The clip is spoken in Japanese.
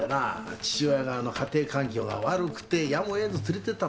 父親側の家庭環境が悪くてやむをえず連れて行ったということも。